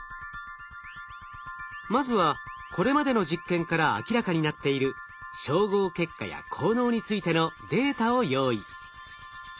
まずはこれまでの実験から明らかになっている照合結果や効能についてのデータを用意。